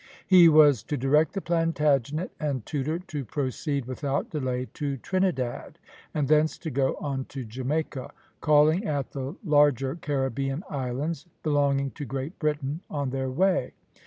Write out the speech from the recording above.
He was to direct the Plantagenet and Tudor to proceed without delay to Trinidad, and thence to go on to Jamaica, calling at the larger Caribbean Islands, belonging to Great Britain, on their way.